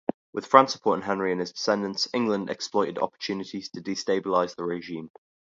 With France supporting Henry and his descendants, England exploited opportunities to destabilise the regime.